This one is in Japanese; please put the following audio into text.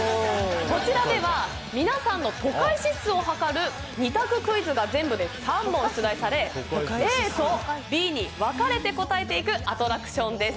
こちらでは皆さんの都会指数を測る２択クイズが全部で３問出題されＡとＢに分かれて答えていくアトラクションです。